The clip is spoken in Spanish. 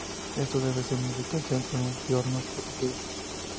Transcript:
Esto se debe a su situación en un fiordo protegido.